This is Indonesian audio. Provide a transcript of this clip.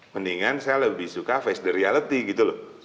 mendingan saya lebih suka face the reality gitu loh